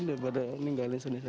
daripada meninggalin seni saya